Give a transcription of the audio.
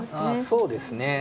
そうですね。